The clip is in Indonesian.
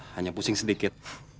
hanya pusing sedikit